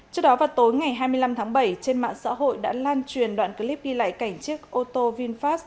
trước đó vào tối ngày hai mươi năm tháng bảy trên mạng xã hội đã lan truyền đoạn clip ghi lại cảnh chiếc ô tô vinfast